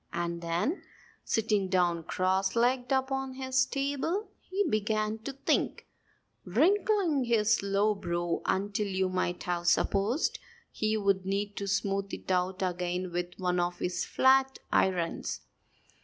And then, sitting down cross legged upon his table, he began to think, wrinkling his low brow until you might have supposed he would need to smooth it out again with one of his flat irons.